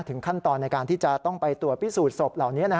ขั้นตอนในการที่จะต้องไปตรวจพิสูจนศพเหล่านี้